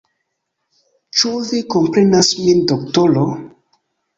Ĉu vi komprenas min, doktoro?